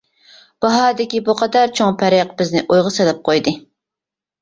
باھادىكى بۇ قەدەر چوڭ پەرق بىزنى ئويغا سېلىپ قويدى.